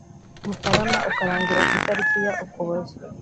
Mutarama ukarangira ku itariki ya Ukuboza